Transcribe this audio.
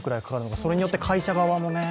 それによって会社側もね。